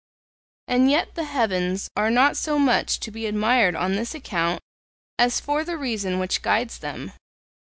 And yet the heavens are not so much to be admired on this account as for the reason which guides them.